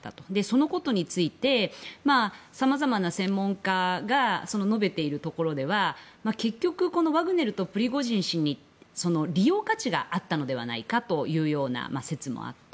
そのことについてさまざまな専門家が述べているところでは結局、ワグネルとプリゴジン氏に利用価値があったのではないかという説もあって。